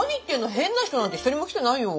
変な人なんて一人も来てないよ。